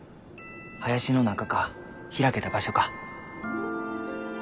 林の中か開けた場所か。